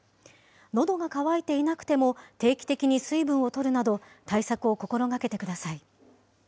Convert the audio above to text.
のどが渇いていなくても定期的に水分をとるなど、対策を心がけてください。